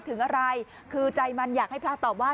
ถึงอะไรคือใจมันอยากให้พระตอบว่า